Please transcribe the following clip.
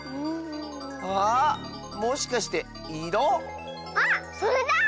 ああっもしかしていろ⁉あっそれだ！